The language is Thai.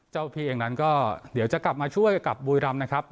เจ้าพี่เองนั้นก็เดี๋ยวจะกลับมาช่วยกับบุรีรำนะครับ